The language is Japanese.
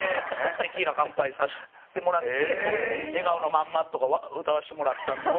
テキーラ乾杯させてもらって『笑顔のまんま』とか歌わせてもらったんですけど。